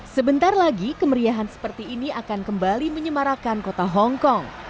sebentar lagi kemeriahan seperti ini akan kembali menyemarakan kota hongkong